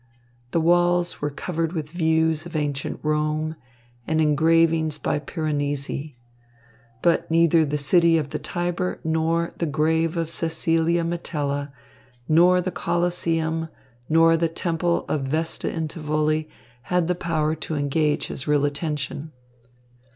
The walls were covered with views of ancient Rome and engravings by Piranesi. But neither the city of the Tiber nor the grave of Cecilia Metella, nor the Colosseum, nor the Temple of Vesta in Tivoli had the power to engage his real attention.